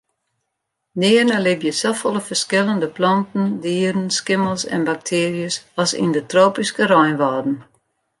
Nearne libje safolle ferskillende planten, dieren, skimmels en baktearjes as yn de tropyske reinwâlden.